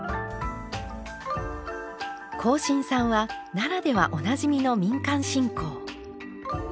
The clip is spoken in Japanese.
庚申さんは奈良ではおなじみの民間信仰。